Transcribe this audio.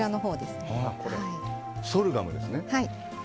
ソルガムですね。